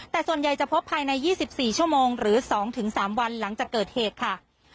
แต่ส่วนใหญ่จะพบภายใน๒๔ชั่วโมงหรือ๒๓วันหลังจากเกิดเหตุค่ะ